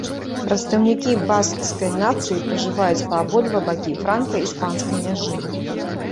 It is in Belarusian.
Прадстаўнікі баскскай нацыі пражываюць па абодва бакі франка-іспанскай мяжы.